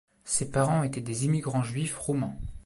Ses parents étaient des immigrants juifs roumains.